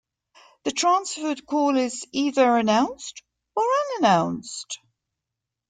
The transferred call is either announced or unannounced.